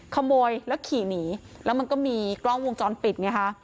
ขโมยแล้วขี่หนีแล้วมันก็มีกล้องวงจรปิดไงคะ